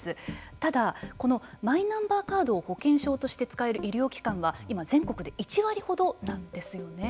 ただ、このマイナンバーカードを保険証として使える医療機関は今全国で１割ほどなんですよね。